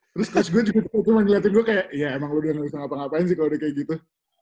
terus coach gue juga cuma ngeliatin gue kayak ya emang lu udah harus ngapa ngapain sih kalau udah kayak gitu